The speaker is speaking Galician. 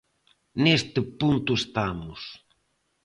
Neste punto estamos.